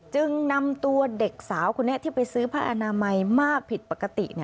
จึงนำตัวเด็กสาวคนนี้ที่ไปซื้อผ้าอนามัยมากผิดปกติ